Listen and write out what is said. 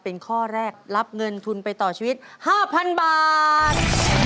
เป็นข้อแรกรับเงินทุนไปต่อชีวิต๕๐๐๐บาท